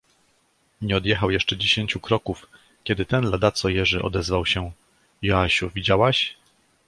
"Nie odjechał jeszcze dziesięciu kroków, kiedy ten ladaco Jerzy, odezwał się: Joasiu, widziałaś?"